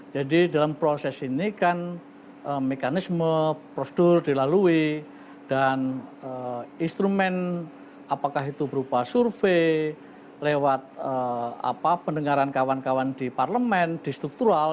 jadi dalam proses ini kan mekanisme prosedur dilalui dan instrumen apakah itu berupa survei lewat pendengaran kawan kawan di parlemen di struktural